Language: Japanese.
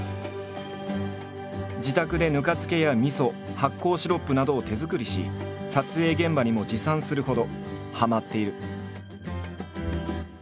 自宅でぬか漬けやみそ発酵シロップなどを手作りし撮影現場にも持参するほどはまっている。